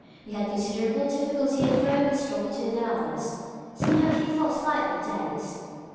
He had considerable difficulty in throwing his thought to the others; somehow he felt slightly dazed.